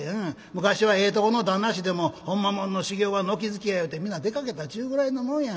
昔はええとこの旦那衆でもほんまもんの修業は軒づけやいうて皆出かけたっちゅうくらいのもんやがな。